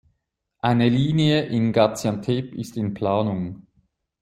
Eine Linie in Gaziantep ist in Planung.